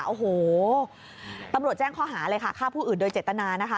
โอ้โหตำรวจแจ้งข้อหาเลยค่ะฆ่าผู้อื่นโดยเจตนานะคะ